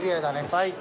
最高。